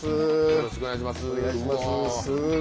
よろしくお願いします。